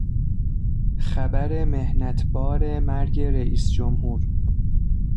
خبر محنتبار مرگ رئیس جمهور